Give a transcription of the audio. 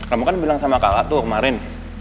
kamu kan bilang sama kakak tuh kemarin